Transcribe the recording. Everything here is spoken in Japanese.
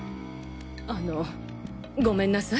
あのごめんなさい